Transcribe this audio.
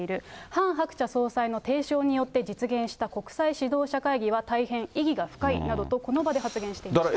ハン・ハクチャ総裁の提唱によって実現した国際指導者会議は大変意義が深いなどと、この場で発言していました。